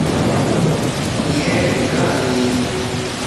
اھي وندا ھلي